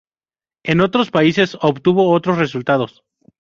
En otros países obtuvo otros resultados.